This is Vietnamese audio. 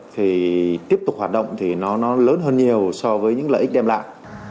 thì tiếp tục hoạt động thì nó lớn hơn nhiều so với những lợi ích đem lại